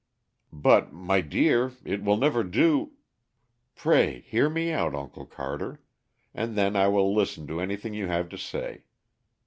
"But, my dear, it will never do " "Pray hear me out, Uncle Carter, and then I will listen to anything you have to say.